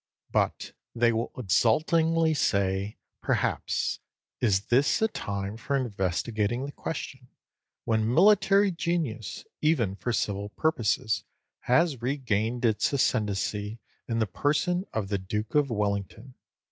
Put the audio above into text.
But they will exultingly say, perhaps, "Is this a time for investigating the question, when military genius, even for civil purposes, has regained its ascendancy in the person of the Duke of Wellington?